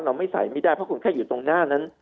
เราไม่ใส่ไม่ได้เพราะคุณแค่อยู่ตรงหน้านั้น